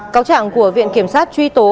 cáo trạng của viện kiểm sát truy tố